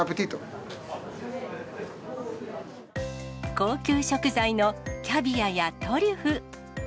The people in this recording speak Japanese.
高級食材のキャビアやトリュフ。